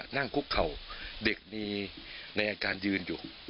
นั่งคุกเข่าเด็กมีในอาการยืนอยู่